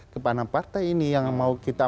karena partai ini yang mau kita